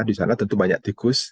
di sana tentu banyak tikus